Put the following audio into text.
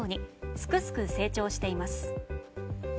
すくすく成長しています。